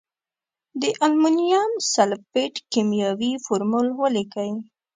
د المونیم سلفیټ کیمیاوي فورمول ولیکئ.